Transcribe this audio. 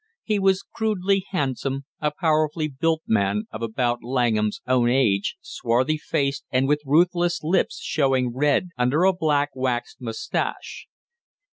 He was crudely, handsome, a powerfully built man of about Langham's own age, swarthy faced and with ruthless lips showing red under a black waxed mustache.